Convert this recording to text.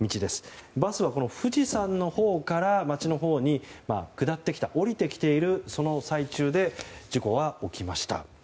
バスは富士山のほうから街のほうに下ってきた下りてきているその最中で事故は起きました。